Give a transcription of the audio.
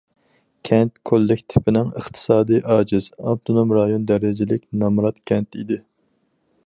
كەنت كوللېكتىپىنىڭ ئىقتىسادى ئاجىز، ئاپتونوم رايون دەرىجىلىك نامرات كەنت ئىدى.